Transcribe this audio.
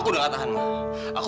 kenal zahira gak